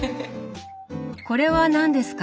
これは何ですか？